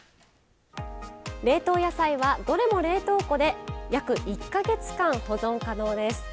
冷凍野菜はどれも冷凍庫で約１か月間保存可能です。